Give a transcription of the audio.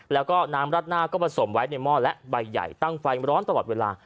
แล้วก็น้ำรัดหน้าก็ผสมไว้ในหม้อและใบใหญ่ตั้งไฟร้อนตลอดเวลา